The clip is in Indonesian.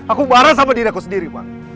aku barang sama diri aku sendiri